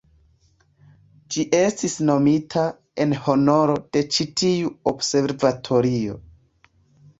Ĝi estis nomita en honoro de ĉi-tiu observatorio.